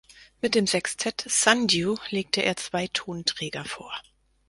Mit dem Sextett "Sun Dew" legte er zwei Tonträger vor.